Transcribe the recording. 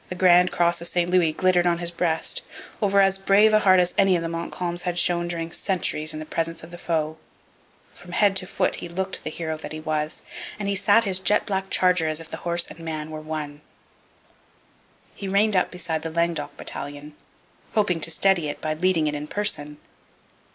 The Grand Cross of St Louis glittered on his breast, over as brave a heart as any of the Montcalms had shown during centuries in the presence of the foe. From head to foot he looked the hero that he was; and he sat his jet black charger as if the horse and man were one. He reined up beside the Languedoc battalion, hoping to steady it by leading it in person.